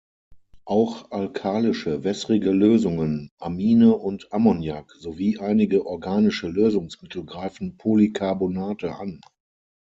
Auch alkalische wässrige Lösungen, Amine und Ammoniak sowie einige organische Lösungsmittel greifen Polycarbonate an.